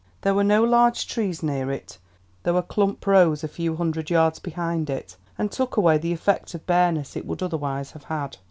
There were no large trees near it, though a clump rose a few hundred yards behind it, and took away the effect of bareness it would otherwise have had.